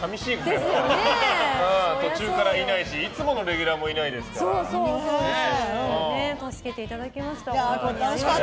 途中からいないしいつものレギュラーも助けていただきました。